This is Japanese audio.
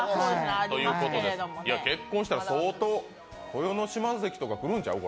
結婚したら、相当、豊ノ島関とか来るんちゃう？